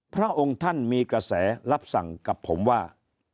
พระองค์ท่านมีกระแสรับสั่งกับผมว่า